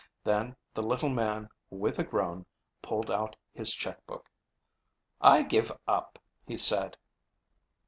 Then the little man, with a groan, pulled out his checkbook. "I give up," he said.